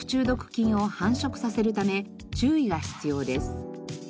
菌を繁殖させるため注意が必要です。